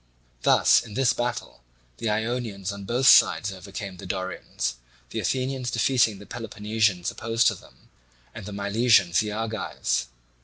Thus, in this battle, the Ionians on both sides overcame the Dorians, the Athenians defeating the Peloponnesians opposed to them, and the Milesians the Argives.